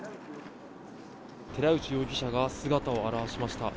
寺内容疑者が姿を現しました。